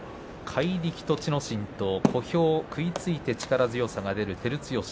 怪力栃ノ心と小兵、食いついて力強さが出る照強。